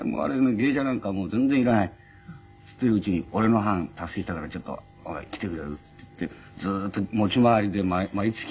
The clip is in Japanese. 「芸者なんか全然いらない」って言ってるうちに「俺の班達成したからちょっとお前来てくれる？」って言ってずっと持ち回りで毎月。